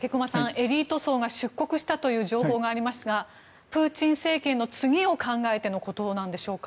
武隈さん、エリート層が出国したという情報がありますがプーチン政権の次を考えてのことなんでしょうか。